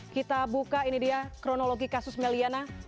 kita buka ini dia kronologi kasus may liana